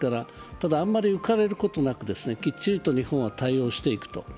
ただあまり浮かれることなくきっちりと日本は対応していくと。